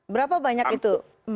berapa banyak itu